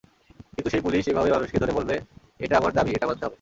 কিন্তু সেই পুলিশ এইভাবে মানুষকে ধরে বলবে—এটা আমার দাবি, এটা মানতে হবে।